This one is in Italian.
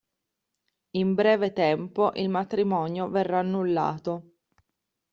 In breve tempo il matrimonio verrà annullato.